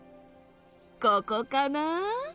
ここかな？